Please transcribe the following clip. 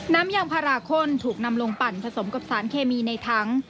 น้ำยางพาราคนถูกนำลงปั่นผสมกับสารเคมีในถัง